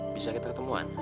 bisa kita ketemuan